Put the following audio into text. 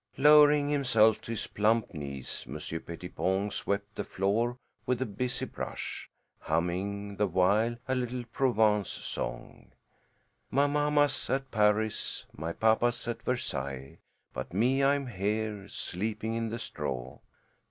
Lowering himself to his plump knees, Monsieur Pettipon swept the floor with a busy brush, humming the while a little Provence song: _"My mama's at Paris, My papa's at Versailles, But me, I am here, Sleeping in the straw.